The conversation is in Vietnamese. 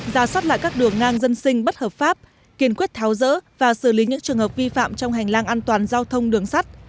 giả soát lại các đường ngang dân sinh bất hợp pháp kiên quyết tháo rỡ và xử lý những trường hợp vi phạm trong hành lang an toàn giao thông đường sắt